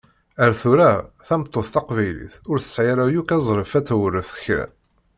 Ar tura, tameṭṭut taqbaylit ur tesɛi ara yakk azref ad tewṛet kra!